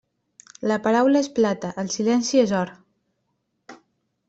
La paraula és plata, el silenci és or.